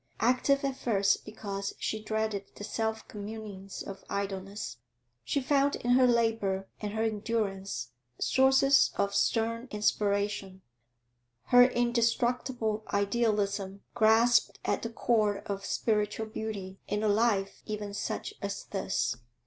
Active at first because she dreaded the self communings of idleness, she found in her labour and her endurance sources of stern inspiration; her indestructible idealism grasped at the core of spiritual beauty in a life even such as this.